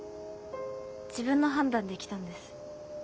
自分の判断で来たんです。